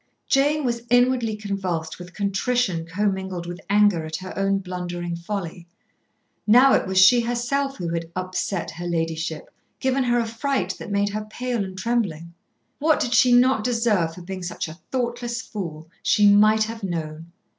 Jane was inwardly convulsed with contrition commingled with anger at her own blundering folly. Now it was she herself who had "upset" her ladyship, given her a fright that made her pale and trembling. What did she not deserve for being such a thoughtless fool. She might have known.